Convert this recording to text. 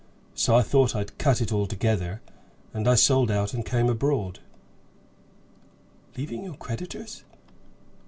So I thought I'd cut it altogether, and I sold out and came abroad." "Leaving your creditors?"